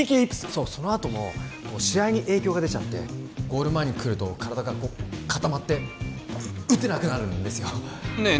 そうそのあとも試合に影響が出ちゃってゴール前に来ると体がこう固まって打てなくなるんですよねえねえ